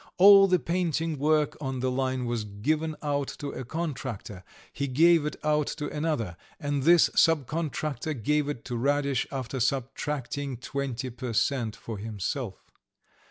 All the painting work on the line was given out to a contractor; he gave it out to another; and this subcontractor gave it to Radish after subtracting twenty per cent. for himself.